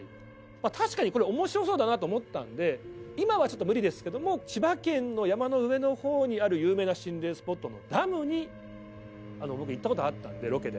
まあ確かにこれ面白そうだなと思ったんで今はちょっと無理ですけども千葉県の山の上の方にある有名な心霊スポットのダムに僕行った事あったんでロケで。